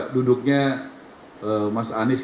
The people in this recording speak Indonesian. duduknya mas anies